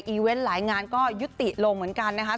เวนต์หลายงานก็ยุติลงเหมือนกันนะคะ